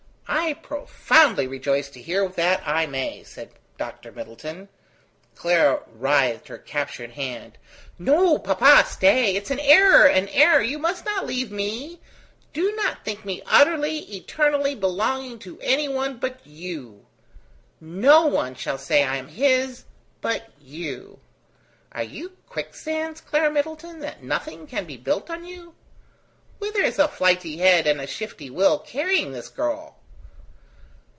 "I profoundly rejoice to hear that I may," said Dr. Middleton. Clara writhed her captured hand. "No, papa, stay. It is an error, an error. You must not leave me. Do not think me utterly, eternally, belonging to any one but you. No one shall say I am his but you." "Are you quicksands, Clara Middleton, that nothing can be built on you? Whither is a flighty head and a shifty will carrying the girl?"